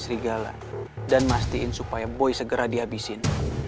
serigala dan mastiin supaya boy segera dihabisin